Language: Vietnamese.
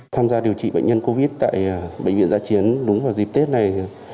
tham gia điều trị bệnh nhân covid tại bệnh viện giã chiến đúng vào dịp tết này